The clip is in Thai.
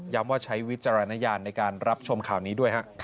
ว่าใช้วิจารณญาณในการรับชมข่าวนี้ด้วยฮะ